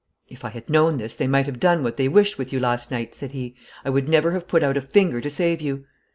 'If I had known this they might have done what they wished with you last night,' said he, 'I would never have put out a finger to save you.'